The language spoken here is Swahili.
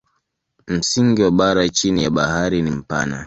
Msingi wa bara chini ya bahari ni mpana.